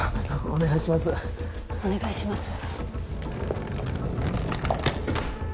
お願いします